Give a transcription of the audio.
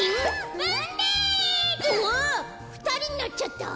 わあふたりになっちゃった？